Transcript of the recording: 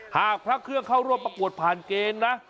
หากพระเครื่องเข้าร่วมประกวดผ่านเกณฑ์นะ